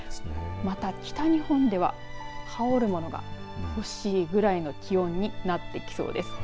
また、北日本では羽織るものが欲しいぐらいの気温になってきそうです。